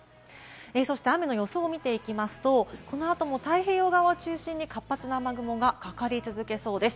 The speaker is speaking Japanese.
そして雨の予想を見ていきますと、この後も太平洋側を中心に活発な雨雲がかかり続けそうです。